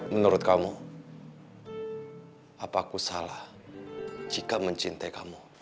menurut kamu apa aku salah jika mencintai kamu